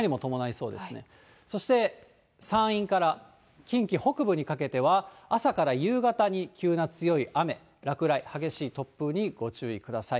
そして山陰から近畿北部にかけては、朝から夕方に急な強い雨、落雷、激しい突風にご注意ください。